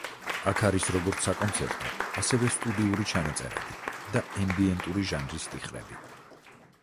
აქ არის როგორც საკონცერტო, ასევე სტუდიური ჩანაწერები და ემბიენტური ჟანრის ტიხრები.